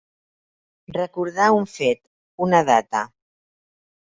Recordar un fet, una data.